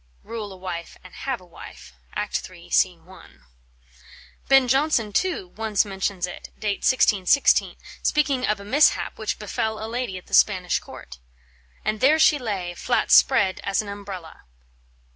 Rule a Wife and Have a Wife, Act iii, sc. I. Ben Jonson, too, once mentions it (date 1616), speaking of a mishap which befel a lady at the Spanish Court: "And there she lay, flat spread as an umbrella."